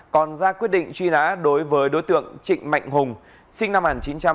còn ra quyết định truy nã đối với đối tượng trịnh mạnh hùng sinh năm một nghìn chín trăm tám mươi